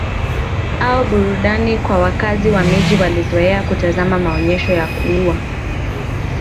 au burudani kwa wakazi wa miji Walizoea kutazama maonyesho ya kuua